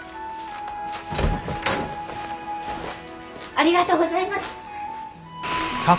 ありがとうございます！